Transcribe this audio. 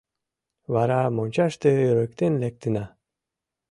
Вара мончаште ырыктен лектына.